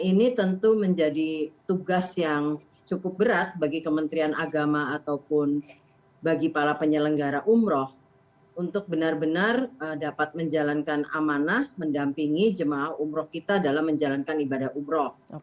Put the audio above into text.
ini tentu menjadi tugas yang cukup berat bagi kementerian agama ataupun bagi para penyelenggara umroh untuk benar benar dapat menjalankan amanah mendampingi jemaah umroh kita dalam menjalankan ibadah umroh